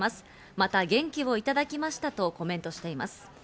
また元気をいただきましたとコメントしています。